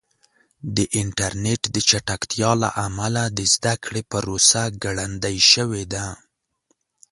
د انټرنیټ د چټکتیا له امله د زده کړې پروسه ګړندۍ شوې ده.